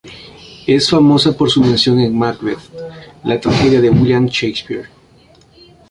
Es famosa por su mención en Macbeth, la tragedia de William Shakespeare.